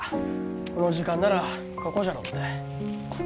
この時間ならここじゃろって。